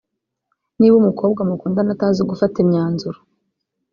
niba umukobwa mukundana atazi gufata imyanzuro